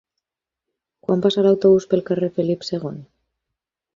Quan passa l'autobús pel carrer Felip II?